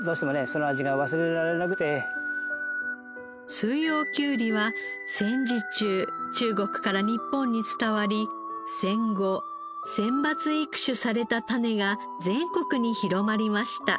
四葉きゅうりは戦時中中国から日本に伝わり戦後選抜育種された種が全国に広まりました。